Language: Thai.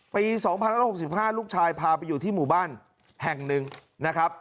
ปี๒๐๖๕ลูกชายพาไปอยู่ที่หมู่บ้านแห่งหนึ่งนะครับ